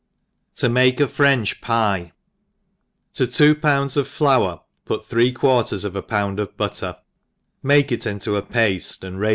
« 7(7 make a French Pvs. TO two. pounds of flour put three quarters of a poand of butter, make it ioto a paile, and raife ENGLISH HOUSE.